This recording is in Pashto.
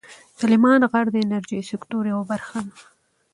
سلیمان غر د انرژۍ سکتور یوه برخه ده.